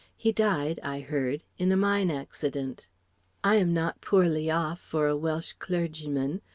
He died I heard in a mine accident. I am not poorly off for a Welsh clergyman.